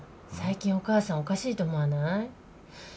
最近お母さんおかしいと思わない？